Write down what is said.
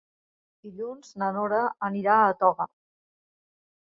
Dilluns na Nora anirà a Toga.